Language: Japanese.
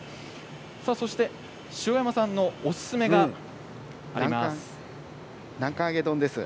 そして塩山さんのおすすめがこちらです。